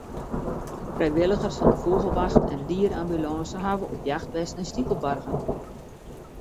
Frijwilligers fan de Fûgelwacht en de diere-ambulânse hawwe op jacht west nei stikelbargen.